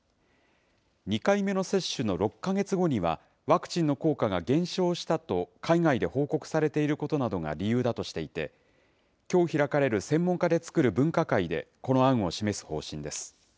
２回目の接種の６か月後には、ワクチンの効果が減少したと海外で報告されていることなどが理由だとしていて、きょう開かれる専門家で作る分科会でこの案を示す方針です。